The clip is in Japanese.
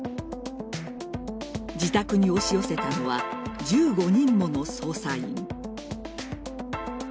自宅に押し寄せたのは１５人もの捜査員。